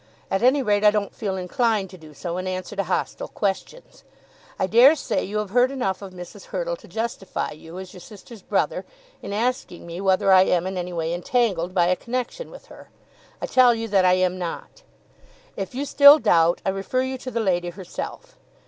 At any rate, I don't feel inclined to do so in answer to hostile questions. I dare say you have heard enough of Mrs. Hurtle to justify you, as your sister's brother, in asking me whether I am in any way entangled by a connection with her. I tell you that I am not. If you still doubt, I refer you to the lady herself.